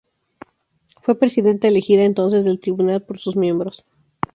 Fue Presidenta elegida entonces del tribunal por sus miembros.